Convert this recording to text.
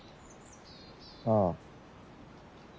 ああ。